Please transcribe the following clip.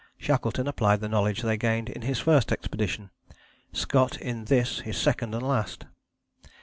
Shackleton applied the knowledge they gained in his first expedition, Scott in this, his second and last.